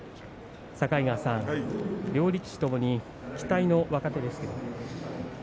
境川さん、両力士ともに期待の若手ですね。